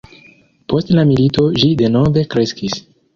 Post la milito ĝi denove kreskis.